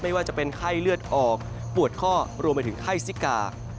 ว่าจะเป็นไข้เลือดออกปวดข้อรวมไปถึงไข้ซิกา